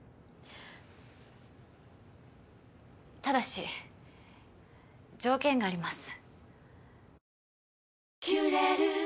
ただし条件があります。